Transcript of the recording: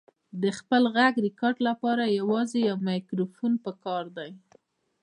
د خپل غږ ریکارډ لپاره یوازې یو مایکروفون پکار دی.